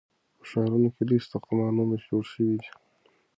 په ښارونو کې لوی ساختمانونه جوړ شوي دي.